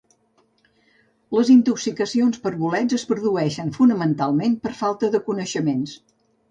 Les intoxicacions per bolets es produeixen fonamentalment per falta de coneixements.